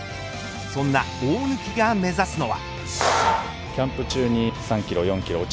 そんな大貫が目指すのは。